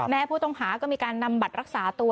ผู้ต้องหาก็มีการนำบัตรรักษาตัว